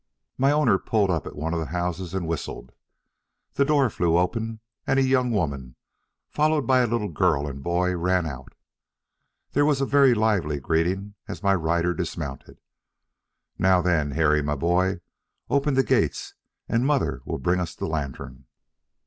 My owner pulled up at one of the houses and whistled. The door flew open, and a young woman, followed by a little girl and boy, ran out. There was a very lively greeting as my rider dismounted. "Now, then, Harry, my boy, open the gates, and mother will bring us the lantern."